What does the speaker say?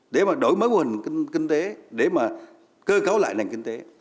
để mà đổi mới hình kinh tế để mà cơ kháu lại hình kinh tế